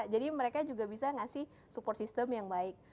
jadi mereka juga bisa ngasih support system yang baik